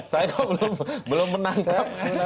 saya kok belum menangkap